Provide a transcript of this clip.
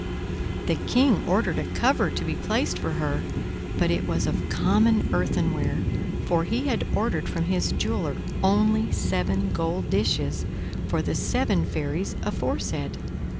The King ordered a cover to be placed for her, but it was of common earthenware, for he had ordered from his jeweler only seven gold dishes, for the seven fairies aforesaid.